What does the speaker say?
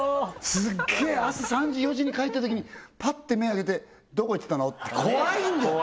すっげえ朝３時４時に帰ったときにパッて目開けて「どこ行ってたの？」って怖いんだよ！